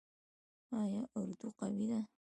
آیا اردو قوي ده؟